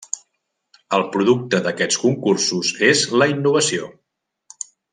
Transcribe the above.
El producte d'aquests concursos és la innovació.